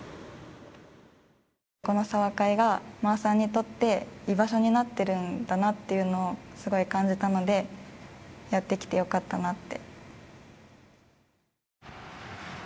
この茶話会がまーさんにとって居場所になってるんだなというのをすごく感じたのでやってきてよかったなって。